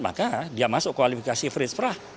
maka dia masuk kualifikasi fritz prah